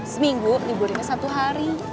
seminggu liburnya satu hari